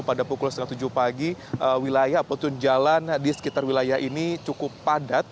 pada pukul setengah tujuh pagi wilayah ataupun jalan di sekitar wilayah ini cukup padat